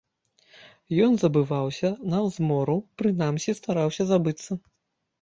Ён забываўся на змору, прынамсі, стараўся забыцца.